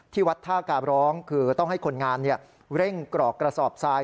วัดท่ากาบร้องคือต้องให้คนงานเร่งกรอกกระสอบทราย